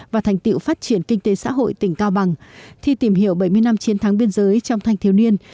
và thành tiệu phát triển kinh tế xã hội tỉnh cao bằng thi tìm hiểu bảy mươi năm chiến thắng biên giới trong thanh thiếu niên